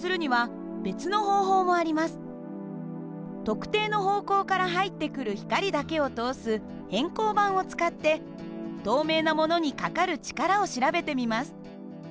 特定の方向から入ってくる光だけを通す偏光板を使って透明なものにかかる力を調べてみます。